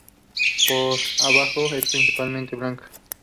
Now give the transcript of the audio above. Por abajo es principalmente blanca.